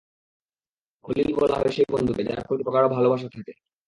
খলীল বলা হয় সেই বন্ধুকে যার প্রতি প্রগাঢ় ভালবাসা থাকে।